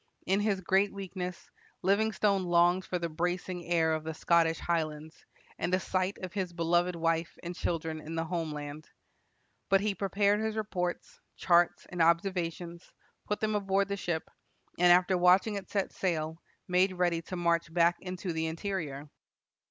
In his great weakness, Livingstone longed for the bracing air of the Scottish highlands, and a sight of his beloved wife and children in the home land. But he prepared his reports, charts, and observations, put them aboard the ship, and, after watching it set sail, made ready to march back into the interior.